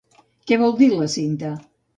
Què vol dir la cinta?